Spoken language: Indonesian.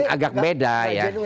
agak beda ya